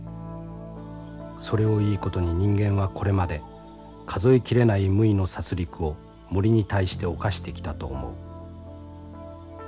それをいいことに人間はこれまで数え切れない無為の殺りくを森に対して犯してきたと思う。